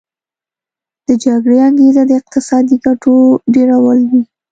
د جګړې انګیزه د اقتصادي ګټو ډیرول وي